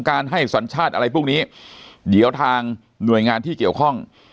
ให้สัญชาติอะไรพวกนี้เดี๋ยวทางหน่วยงานที่เกี่ยวข้อง